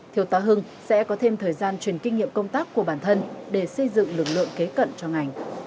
thiếu tá hưng sẽ có thêm thời gian truyền kinh nghiệm công tác của bản thân để xây dựng lực lượng kế cận cho ngành